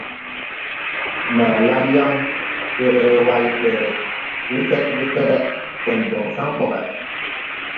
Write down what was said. Maa laŋ yaŋ, derewal ɓe lefed lefede, sen bon san boge.